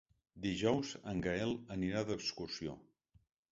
Dijous en Gaël anirà d'excursió.